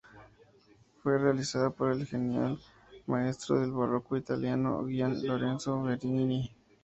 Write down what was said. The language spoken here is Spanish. Fue realizada por el genial maestro del Barroco italiano, Gian Lorenzo Bernini.